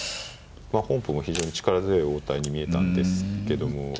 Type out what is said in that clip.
まあ本譜も非常に力強い応対に見えたんですけども。